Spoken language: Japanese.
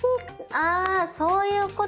あそういうことか。